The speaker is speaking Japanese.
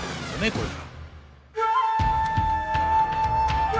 これが。